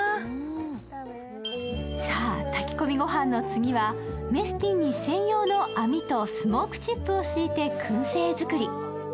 さあ、炊き込み御飯の次はメスティン専用の網とスモークチップを敷いてくん製作り。